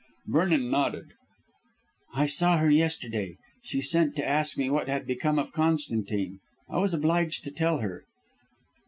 Vernon nodded. "I saw her yesterday. She sent to ask me what had become of Constantine. I was obliged to tell her."